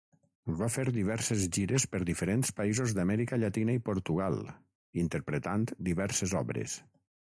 Va fer diverses gires per diferents països d'Amèrica Llatina i Portugal, interpretant diverses obres.